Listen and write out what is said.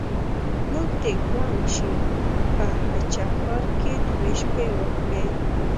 موږ د ګوانګ شي په هه چه ښار کې دوې شپې وکړې.